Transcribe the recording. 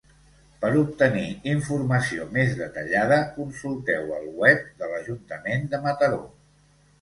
Per obtenir informació més detallada consulteu el web de l'Ajuntament de Mataró.